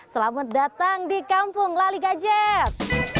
selamat datang di kampung lali gadget